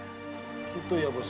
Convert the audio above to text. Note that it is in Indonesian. gitu ya bos